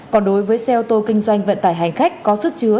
còn đối với xe ô tô kinh doanh vận tài hàng khách có sức chứa